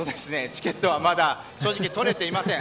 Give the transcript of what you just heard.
チケットはまだ正直、取れていません。